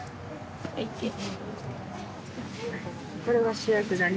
これは主役だね。